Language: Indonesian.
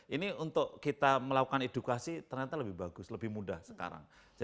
ini untuk kita melakukan edukasi ternyata lebih bagus lebih mudah sekarang